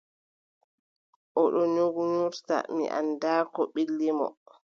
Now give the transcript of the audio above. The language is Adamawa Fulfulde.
O ɗon ŋuurŋuurta, mi anndaa Ko ɓilli mo.